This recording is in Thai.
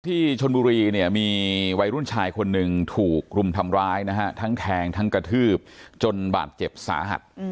ที่ชนบุรีเนี่ยมีวัยรุ่นชายคนหนึ่งถูกรุมทำร้ายนะฮะทั้งแทงทั้งกระทืบจนบาดเจ็บสาหัส